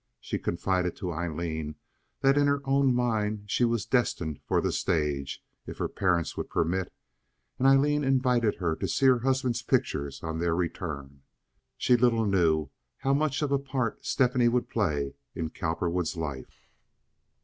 She confided to Aileen that in her own mind she was destined for the stage, if her parents would permit; and Aileen invited her to see her husband's pictures on their return. She little knew how much of a part Stephanie would play in Cowperwood's life.